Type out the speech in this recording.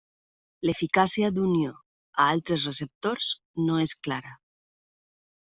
L'eficàcia d'unió a altres receptors no és clara.